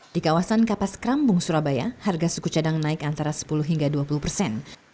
di kawasan kapas krambung surabaya harga suku cadang naik antara sepuluh hingga dua puluh persen